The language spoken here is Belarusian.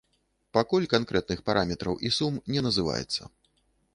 Пакуль канкрэтных параметраў і сум не называецца.